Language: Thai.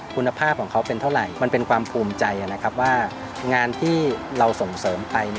คุณภาพของเขาเป็นเท่าไหร่มันเป็นความภูมิใจนะครับว่างานที่เราส่งเสริมไป